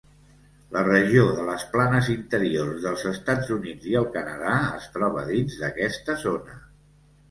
La regió de les planes interiors dels Estats Units i el Canadà es troba dins d'aquesta zona.